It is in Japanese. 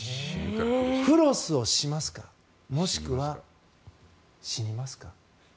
フロスをしますかもしくは死にますか。